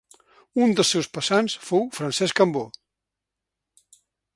Un dels seus passants fou Francesc Cambó.